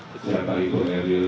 kepada ibu eril